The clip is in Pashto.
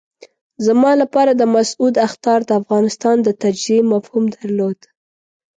زما لپاره د مسعود اخطار د افغانستان د تجزیې مفهوم درلود.